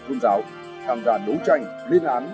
tôn giáo tham gia đấu tranh liên án